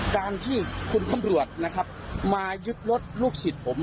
การที่คุณตำรวจนะครับมายึดรถลูกศิษย์ผม